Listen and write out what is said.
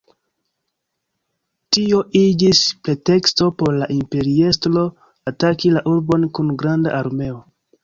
Tio iĝis preteksto por la imperiestro ataki la urbon kun granda armeo.